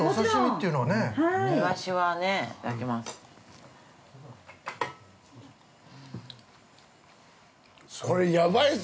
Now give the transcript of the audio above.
いただきます。